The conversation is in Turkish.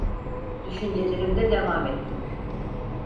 Düşüncelerimde devam ettim: